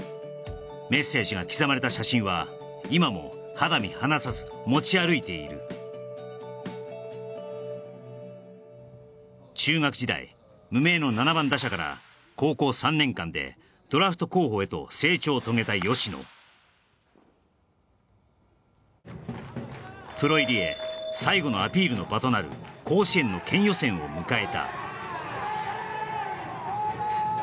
メッセージが刻まれた写真は今も肌身離さず持ち歩いている中学時代無名の７番打者から高校３年間でドラフト候補へと成長を遂げた吉野プロ入りへ最後のアピールの場となる甲子園の県予選を迎え